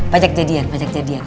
pajak jadian pajak jadian